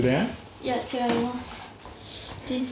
いや違います。